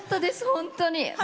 本当に。